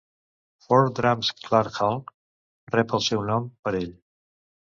Fort Drum's Clark Hall rep el seu nom per ell.